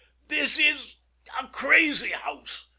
Oh, this is a crazy house.